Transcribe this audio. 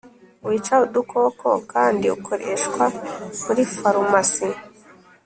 Wica udukoko kandi ukoreshwa muri farumasi